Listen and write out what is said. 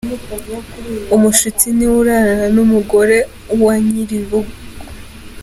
Umushyitsi niwe urarana n’ umugore wa nyiri urugo.